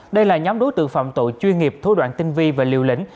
đây là nhóm đối tượng phạm tội chuyên nghiệp thối đoạn tinh vi và liều lĩnh